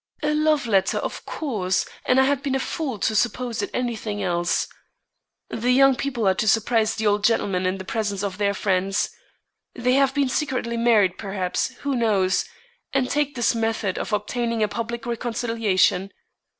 A love letter of course; and I had been a fool to suppose it any thing else. The young people are to surprise the old gentleman in the presence of their friends. They have been secretly married perhaps, who knows, and take this method of obtaining a public reconciliation.